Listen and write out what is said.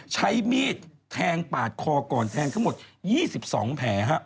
ใช้มีดแทงปาดคอก่อนแทงทั้งหมด๒๒แผล